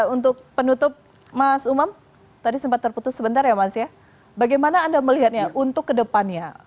untuk penutup mas umam bagaimana anda melihatnya untuk ke depannya